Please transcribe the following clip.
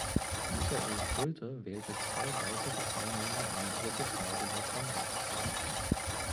Michael Schulte wählte zwei weitere Teilnehmer in die dritte Phase der Comeback Stage.